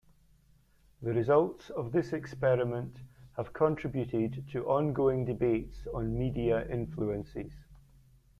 The results of this experiment have contributed to ongoing debates on media influences.